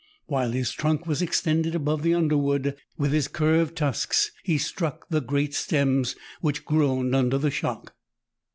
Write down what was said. While his trunk was extended above the underwood, with his curved tusks he struck the great stems, which groaned under the shock.